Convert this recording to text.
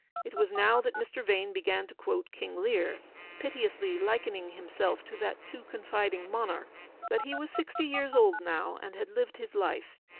It was now that Mr. Vane began to quote " King Lear," piteously likening himself to that too confiding monarch. But he was sixty years old now, and had lived his life.